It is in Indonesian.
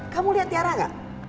kamu lihat tiara gak